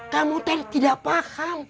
kamu teh tidak paham